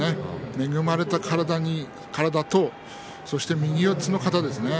恵まれた体とそれと右四つの型ですね